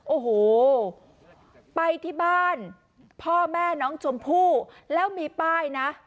โอ้โหไปที่บ้านพ่อแม่น้องชมพู่แล้วมีป้ายนะ